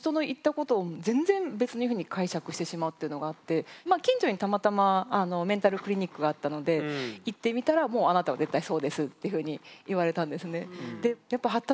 私がもうほんとに近所にたまたまメンタルクリニックがあったので行ってみたら「もうあなたは絶対そうです」っていうふうに言われたんですね。